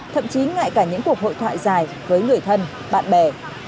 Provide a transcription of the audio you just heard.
thậm chí ngay cả những cuộc hội thoại dài với người thân bạn bè